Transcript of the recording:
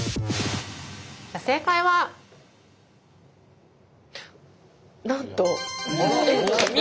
正解はなんと！